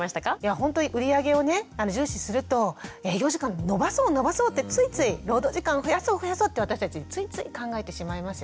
ほんとに売り上げをね重視すると営業時間延ばそう延ばそうってついつい労働時間増やそう増やそうって私たちついつい考えてしまいますよね。